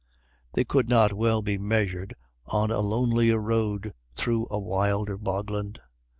They could not well be measured on a lonelier road through a wilder bogland.